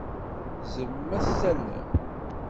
Tzemrem ad d-tallem?